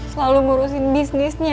selalu ngurusin bisnisnya